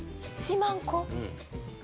１万個？